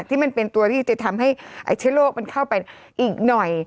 ที่มันเป็นตัวที่จะทำให้เชื้อโรคมันเข้าไปอีกหน่อย